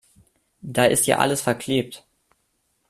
Da ist ja alles verklebt.